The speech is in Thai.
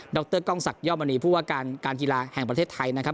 รกล้องศักดมณีผู้ว่าการการกีฬาแห่งประเทศไทยนะครับ